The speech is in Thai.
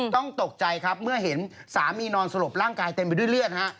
ตกใจครับเมื่อเห็นสามีนอนสลบร่างกายเต็มไปด้วยเลือดฮะ